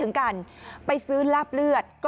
หญิงบอกว่าจะเป็นพี่ปวกหญิงบอกว่าจะเป็นพี่ปวก